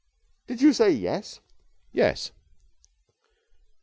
"Did you say 'yes'?" "Yes!"